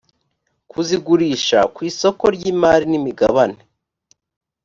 kuzigurisha ku isoko ry’imari n’imigabane